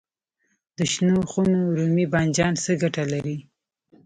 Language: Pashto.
د شنو خونو رومي بانجان څه ګټه لري؟